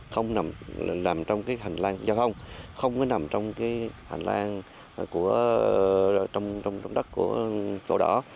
không nằm trong hành lang giao thông không nằm trong hành lang trong đất của chỗ đó